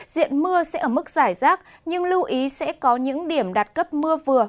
diện mưa sẽ ở mức giải rác nhưng lưu ý sẽ có những điểm đạt cấp mưa vừa